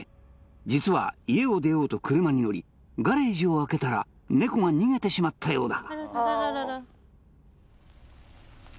実は家を出ようと車に乗りガレージを開けたらネコが逃げてしまったようだ